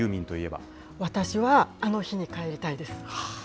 私は、あの日にかえりたいです。